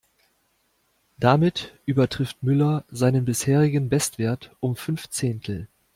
Damit übertrifft Müller seinen bisherigen Bestwert um fünf Zehntel.